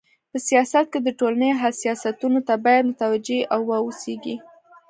په سیاست کي د ټولني حساسيتونو ته بايد متوجي و اوسيږي.